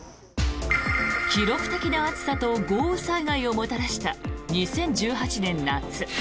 記録的な暑さと豪雨災害をもたらした２０１８年夏。